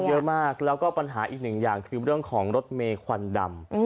เยอะมากแล้วก็ปัญหาอีกหนึ่งอย่างคือเรื่องของรถเมย์ควันดำ